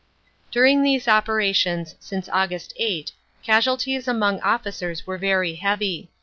During these operations since Aug. 8 casualties among officers were very heavy.